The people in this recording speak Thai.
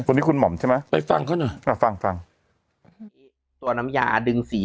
คนนี้คุณหม่อมใช่ไหมไปฟังเขาหน่อยอ่าฟังฟังตัวน้ำยาดึงสี